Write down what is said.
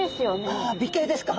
ああ美形ですか。